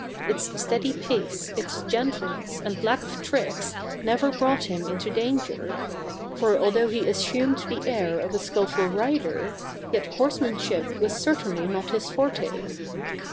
Its steady pace, its gentle ness and lack of tricks never brought him into danger; for although he assumed the air of a skillful rider, yet horseman ship was certainly not his forte.